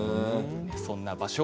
そんな場所